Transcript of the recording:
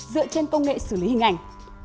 dựa trên công nghệ xử lý hình ảnh